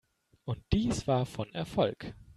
Und dies war von Erfolg.